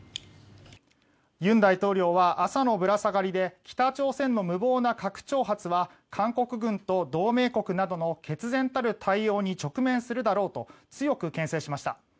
尹大統領は朝のぶら下がりで北朝鮮の無謀な核挑発は韓国軍と同盟国などの決然たる対応に直面するだろうと強くけん制しました。